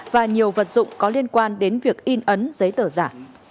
và nhiều vật dụng có liên quan đến việc in ấn giấy tờ giả